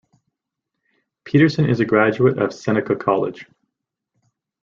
Petersen is a graduate of Seneca College.